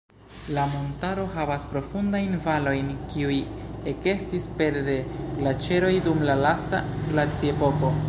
La montaro havas profundajn valojn, kiuj ekestis pere de glaĉeroj dum la lasta glaciepoko.